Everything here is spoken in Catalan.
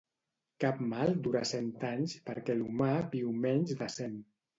Cap mal dura cent anys perquè l'humà viu menys de cent